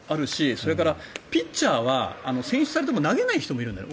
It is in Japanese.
それからピッチャーは選出されても投げない人がいるんだよね。